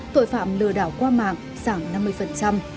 tội phạm lừa đảo qua mạng giảm năm mươi